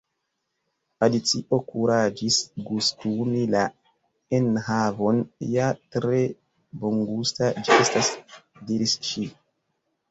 Alicio kuraĝis gustumi la enhavon. "Ja, tre bongusta ĝi estas," diris ŝi.